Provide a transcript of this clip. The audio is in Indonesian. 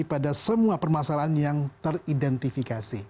pada semua permasalahan yang teridentifikasi